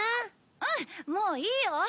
うんもういいよ。